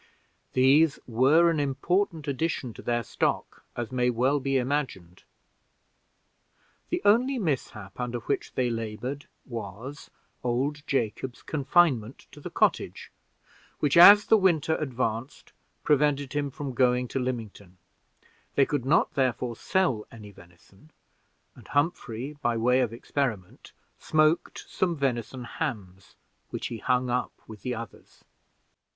These were an important addition to their stock, as may well be imagined. The only mishap under which they labored was, old Jacob's confinement to the cottage, which, as the winter advanced, prevented him from going to Lymington; they could not, therefore, sell any venison; and Humphrey, by way of experiment, smoked some venison hams, which he hung up with the others.